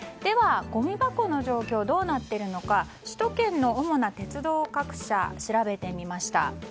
ごみ箱の状況どうなっているのか首都圏の主な鉄道各社調べてみました。